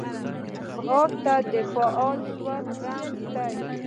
ځغاسته د فعال ژوند رمز ده